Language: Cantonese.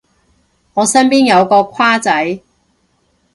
我身邊有個跨仔